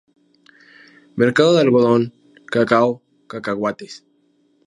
Mercado de algodón, cacao, cacahuetes.